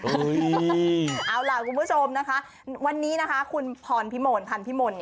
เอาล่ะคุณผู้ชมนะคะวันนี้คุณพรพิโมนพันพิโมน